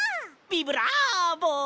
ビブラーボ！